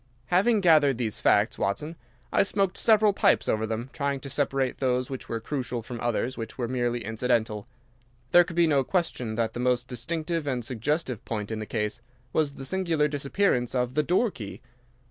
"Having gathered these facts, Watson, I smoked several pipes over them, trying to separate those which were crucial from others which were merely incidental. There could be no question that the most distinctive and suggestive point in the case was the singular disappearance of the door key.